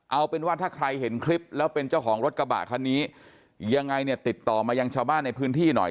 เอาเป็นว่าถ้าใครเห็นคลิปแล้วเป็นเจ้าของรถกระบะคันนี้ยังไงเนี่ยติดต่อมายังชาวบ้านในพื้นที่หน่อย